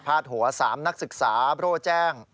พาดหัวสามนักศึกษาโบร้อยแจ้ง